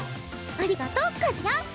ありがとう和也。